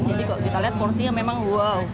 jadi kalau kita lihat porsinya memang wow